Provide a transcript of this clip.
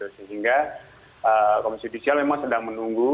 sehingga komisi judisial memang sedang menunggu